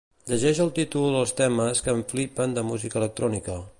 Llegeix el títol els temes que em flipen de música electrònica.